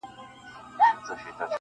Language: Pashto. خو ځينې دودونه پاتې وي تل,